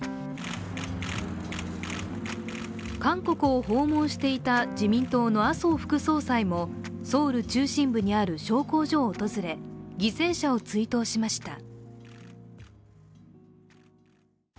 韓国を訪問していた自民党の麻生副総裁も、ソウル中心部にある焼香所を訪れ犠牲者を追悼しました。